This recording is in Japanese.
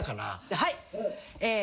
はい。